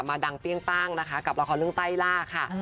ดังเปรี้ยงป้างนะคะกับละครเรื่องใต้ล่าค่ะ